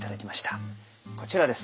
こちらです。